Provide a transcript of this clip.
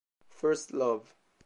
First Love